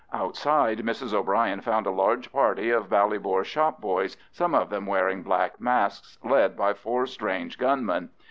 Outside Mrs O'Bryan found a large party of Ballybor shop boys, some of them wearing black masks, led by four strange gunmen.